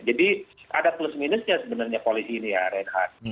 jadi ada plus minusnya sebenarnya koalisi ini ya renhan